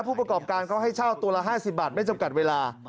ผู้ประกอบการเขาให้เช่าตัวละ๕๐บาทไม่จำกัดเวลา